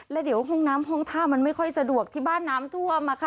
แล้วเดี๋ยวห้องน้ำห้องท่ามันไม่ค่อยสะดวกที่บ้านน้ำท่วมค่ะ